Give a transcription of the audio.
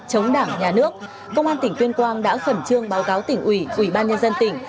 chống đảng nhà nước công an tỉnh tuyên quang đã khẩn trương báo cáo tỉnh ủy ủy ban nhân dân tỉnh